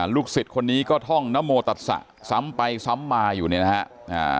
ลูกศิษย์คนนี้ก็ท่องนโมตัดสะซ้ำไปซ้ำมาอยู่เนี่ยนะฮะ